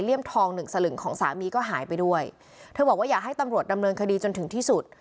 ทองหนึ่งสลึงของสามีก็หายไปด้วยเธอบอกว่าอยากให้ตำรวจดำเนินคดีจนถึงที่สุด